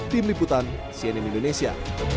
tim liputan cnn indonesia